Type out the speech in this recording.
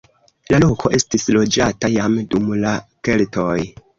La loko estis loĝata jam dum la keltoj.